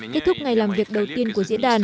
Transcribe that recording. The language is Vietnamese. kết thúc ngày làm việc